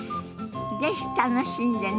是非楽しんでね。